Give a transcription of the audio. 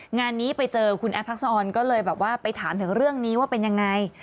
งานนี้ไปเจอคุณแอฟทักษะออนก็เลยแบบว่าไปถามถึงเรื่องนี้ว่าเป็นยังไง